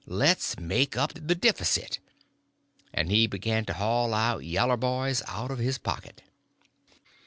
"Le's make up the deffisit," and he begun to haul out yaller boys out of his pocket.